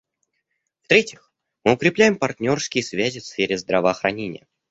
В-третьих, мы укрепляем партнерские связи в сфере здравоохранения.